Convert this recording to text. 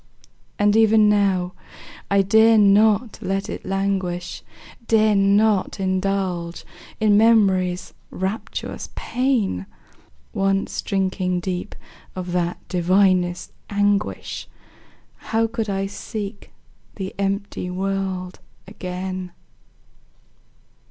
And even now, I dare not let it languish, Dare not indulge in Memory's rapturous pain; Once drinking deep of that divinest anguish, How could I seek the empty world again?